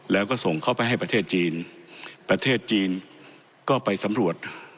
แล้วก็ส่งเข้าไปให้ประเทศจีนประเทศจีนก็ไปสำรวจ